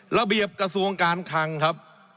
ระเบียบกระทรวงการคังครับ